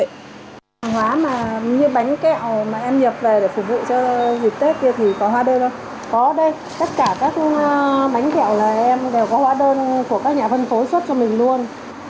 hóa đơn của các nhà phân phối xuất cho mình luôn